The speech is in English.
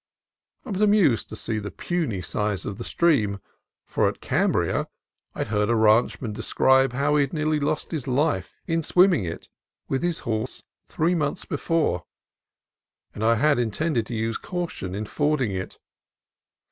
I was amused to see the puny size of the stream, for at Cambria I had heard a ranchman describe how he had nearly lost his life in swimming it with his horse three months before, and I had in tended to use caution in fording it.